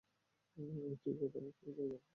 ঐ ট্রিগার আমাকে দিয়ে দাও জুনি!